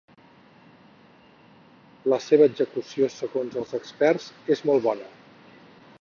La seva execució segons els experts, és molt bona.